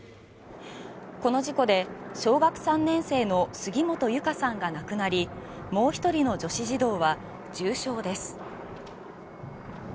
この事故で小学３年生の杉本結香さんが亡くなりもう１人の女子児童は重傷です。